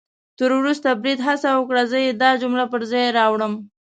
تر ورستي بریده هڅه وکړه، زه يې دا جمله پر ځای راوړم